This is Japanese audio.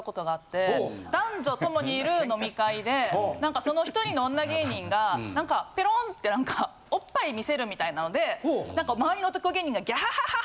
男女共にいる飲み会でその１人の女芸人がペロンってなんかオッパイ見せるみたいなので周りの男芸人がギャハハハ！